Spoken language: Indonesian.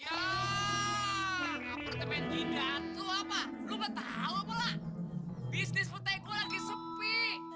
ya apartemen gigan lo apa lo nggak tahu pula bisnis putek gua lagi sepi